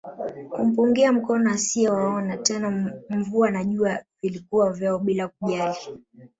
Kumpungia mkono asiyewaona tena mvua na jua vilikuwa vyao bila kujali